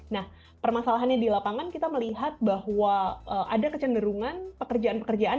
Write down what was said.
nah permasalahannya di lapangan kita melihat bahwa ada kecenderungan pekerjaan pekerjaan